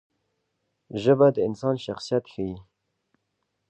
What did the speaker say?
ژبه د انسان شخصیت ښيي.